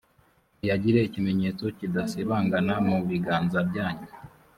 muyagire ikimenyetso kidasibangana mu biganza byanyu,